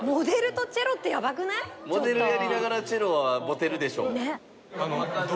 モデルやりながらチェロはモテるでしょ。